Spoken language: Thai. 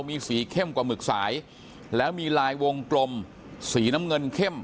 มีสีเข้มกว่าหมึกสายแล้วมีลายวงกลมสีน้ำเงินเข้ม